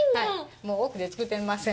もう奥で作ってません。